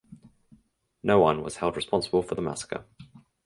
No one was held responsible for the massacre.